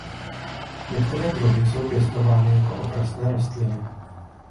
Některé druhy jsou pěstovány jako okrasné rostliny.